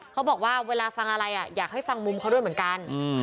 เขาบอกว่าเวลาฟังอะไรอยากให้ฟังมุมเขาด้วยเหมือนกัน